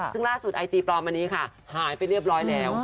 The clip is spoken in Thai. ซึ่งล่าสุดไอจีปลอมอันนี้ค่ะหายไปเรียบร้อยแล้ว